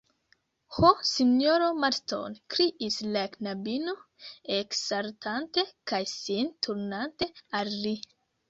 Ho, sinjoro Marston, kriis la knabino, eksaltante kaj sin turnante al li.